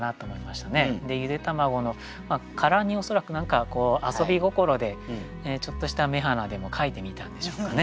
ゆで玉子の殻に恐らく何か遊び心でちょっとした目鼻でも描いてみたんでしょうかね。